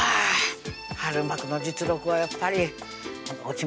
春巻きの実力はやっぱり落ちませんね